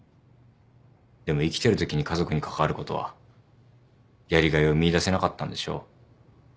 でも生きてるときに家族に関わることはやりがいを見いだせなかったんでしょう。